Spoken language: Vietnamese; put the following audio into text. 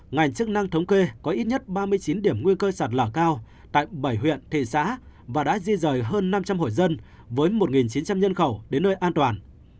ngành chức năng thống kê có ít nhất ba mươi chín điểm nguy cơ sạt lở cao tại bảy huyện thị xã và đã di rời hơn năm trăm linh hội dân với một chín trăm linh nhân khẩu đến nơi an toàn